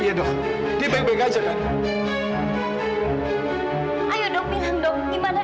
iya dok dia baik baik aja kan